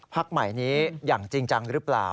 ใหม่นี้อย่างจริงจังหรือเปล่า